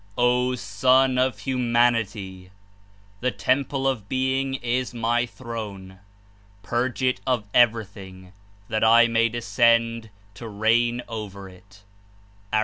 "O Son of Humanity! The temple of Being is my Throne. Purge it of everything, that I may descend to reign over it J' (A.